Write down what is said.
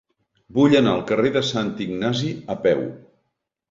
Vull anar al carrer de Sant Ignasi a peu.